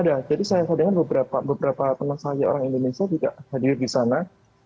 ada jadi saya sadar dengan beberapa teman sahaja orang indonesia juga hadir di sana